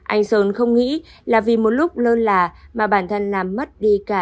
anh sơn không nghĩ là vì một lúc lơ là mà bản thân làm mất đi cả